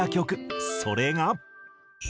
それが。